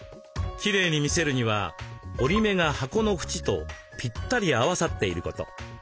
きれいに見せるには折り目が箱の縁とぴったり合わさっていること。